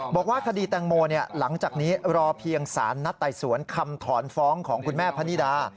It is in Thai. บอกว่าคดีแตงโมหลังจากนี้รอเพียงสารนัดไต่สวนคำถอนฟ้องของคุณแม่พนิดา